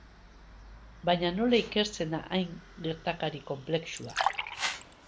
Baina nola ikertzen da hain gertakari konplexua?